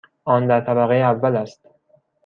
آن در طبقه اول است.